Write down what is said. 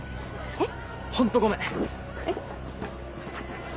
えっ？